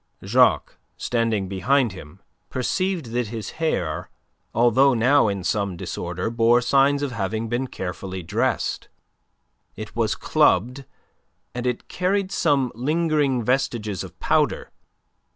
Jacques, standing behind him, perceived that his hair, although now in some disorder, bore signs of having been carefully dressed. It was clubbed, and it carried some lingering vestiges of powder.